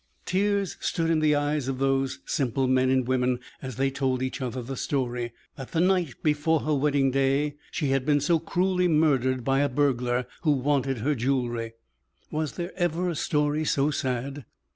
Tears stood in the eyes of those simple men and women as they told each other the story that the night before her wedding day she had been so cruelly murdered by a burglar who wanted her jewelry. Was there ever a story so sad.